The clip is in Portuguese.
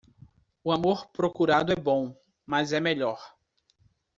O amor procurado é bom, mas é melhor.